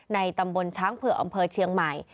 ตำบลช้างเผือกอำเภอเชียงใหม่